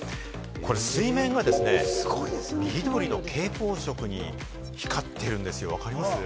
水面が緑の蛍光色に光っているんですよ、分かります？